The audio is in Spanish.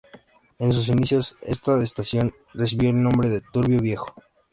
En sus inicios esta estación recibió el nombre de Turbio Viejo.